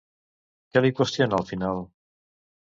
Què li qüestiona al final?